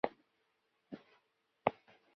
日军攻陷陷港之后返回上海。